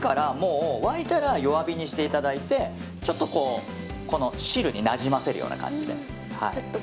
沸いたら弱火にしていただいて汁になじませるような感じで。